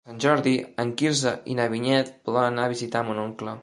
Per Sant Jordi en Quirze i na Vinyet volen anar a visitar mon oncle.